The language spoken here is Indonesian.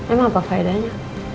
emang apa faedahnya